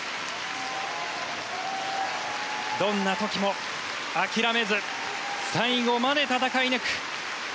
どんな時も諦めず最後まで戦い抜く。